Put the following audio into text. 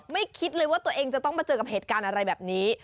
คิดเลยว่าตัวเองจะต้องมาเจอกับเหตุการณ์อะไรแบบนี้